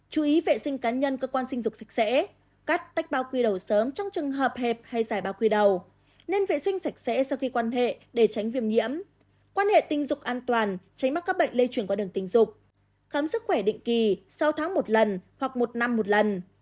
chú ý vệ sinh cá nhân cơ quan sinh dục sạch sẽ cắt tách bao quy đầu sớm trong trường hợp hẹp hay giải bao quy đầu nên vệ sinh sạch sẽ sau khi quan hệ để tránh viêm nhiễm quan hệ tình dục an toàn tránh mắc các bệnh lây chuyển qua đường tình dục khám sức khỏe định kỳ sáu tháng một lần hoặc một năm một lần